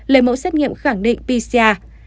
lấy mẫu xét nghiệm khẳng định pcr